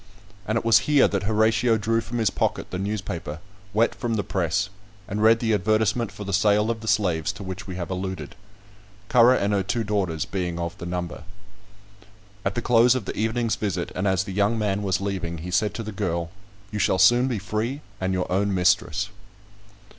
And it was here that Horatio drew from his pocket the newspaper, wet from the press, and read the advertisement for the sale of the slaves to which we have alluded; Currer and her two daughters being of the number. At the close of the evening's visit, and as the young man was leaving, he said to the girl, "You shall soon be free and your own mistress."